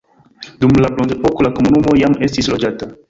Dum la bronzepoko la komunumo jam estis loĝata.